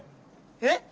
えっ？